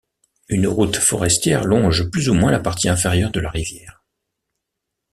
Une route forestière longe plus ou moins la partie inférieure de la rivière.